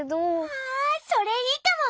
あそれいいかも！